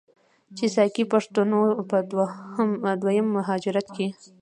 چې ساکي پښتنو په دویم مهاجرت کې،